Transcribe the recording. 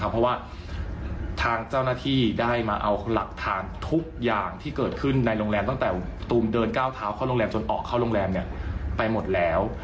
เพราะว่าทางเจ้าหน้าที่ได้มาเอาหลักฐานทุกอย่างที่เกิดขึ้นในโรงแรมตั้งแต่ตูมเดินก้าวเท้าเข้าโรงแรมจนออกเข้าโรงแรมไปหมดแล้ว